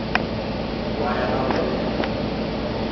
Wayano be lelo